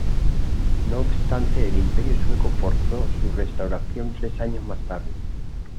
No obstante, el Imperio sueco forzó su restauración tres años más tarde.